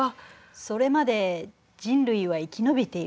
それまで人類は生き延びているかしらね？